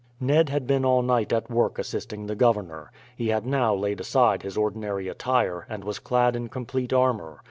Ned had been all night at work assisting the governor. He had now laid aside his ordinary attire, and was clad in complete armour.